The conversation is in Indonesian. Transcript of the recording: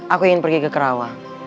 aku ingin pergi ke kerawang